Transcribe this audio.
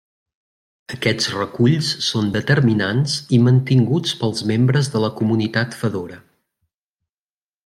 Aquests reculls són determinats i mantinguts pels membres de la Comunitat Fedora.